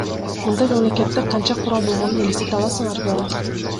Мындай мамлекетте канча курал болгонун элестете аласыңарбы?